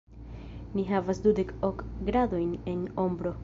Ni havas dudek-ok gradojn en ombro!